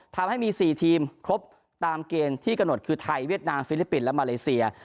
ทำให้มี๔ทีมครบตามเกณฑ์ที่กำหนดคือไทยเวียดนามฟิลิปปินส์และมาเลเซีย